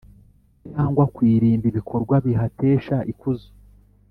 cyangwa ku irimbi ibikorwa bihatesha ikuzo